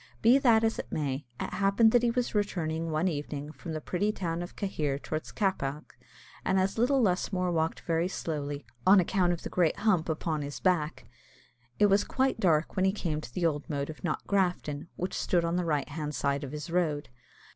Be that as it may, it happened that he was returning one evening from the pretty town of Cahir towards Cappagh, and as little Lusmore walked very slowly, on account of the great hump upon his back, it was quite dark when he came to the old moat of Knockgrafton, which stood on the right hand side of his road.